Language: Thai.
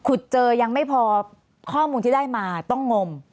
เจอยังไม่พอข้อมูลที่ได้มาต้องงม